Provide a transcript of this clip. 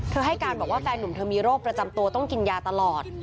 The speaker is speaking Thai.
ให้การบอกว่าแฟนหนุ่มเธอมีโรคประจำตัวต้องกินยาตลอด